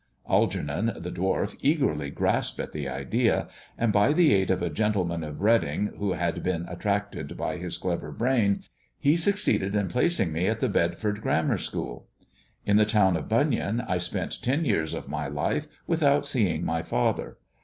Algernon, the dwarf, eagerly grasped at the idea, and by the aid of a gentleman of Reading, who had been attracted by his clever brain, he succeeded in placing me at the Bedford Grammar School. In the town of Bunyan I spent ten years of my life without seeing my father.